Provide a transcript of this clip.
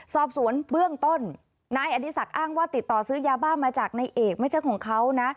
สอบสวนเบื้องต้นนายอดีศักดิ์อ้างว่าติดต่อซื้อยาบ้ามาจากนายเอกไม่ใช่ของเขานะ